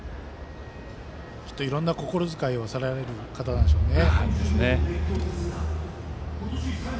きっと、いろんな心遣いをされる方なんでしょうね。